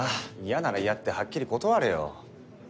嫌なら嫌ってはっきり断れよ。